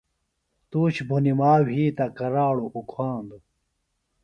تُوش بُھنِما وھی تہ کراڑوۡ اُکھاندوۡ